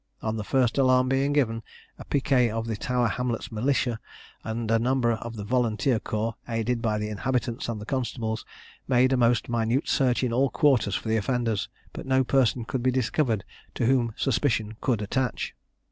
On the first alarm being given, a picquet of the Tower Hamlets' Militia, and a number of the Volunteer Corps, aided by the inhabitants and the constables, made a most minute search in all quarters for the offenders, but no person could be discovered to whom suspicion could attach.